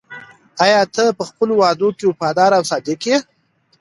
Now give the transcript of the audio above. آیا ته په خپلو وعدو کې وفادار او صادق یې؟